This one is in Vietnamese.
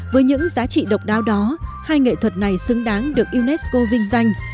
với những giá trị độc đáo đó hai nghệ thuật này xứng đáng được unesco vinh danh